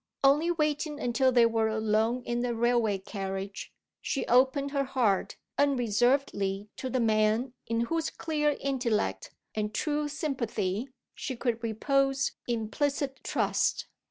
Only waiting until they were alone in the railway carriage, she opened her heart unreservedly to the man in whose clear intellect and true sympathy she could repose implicit trust.